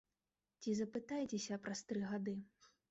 Ці запытайцеся праз тры гады.